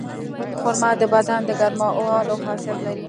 خرما د بدن د ګرمولو خاصیت لري.